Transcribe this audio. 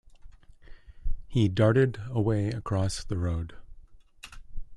He darted away across the road.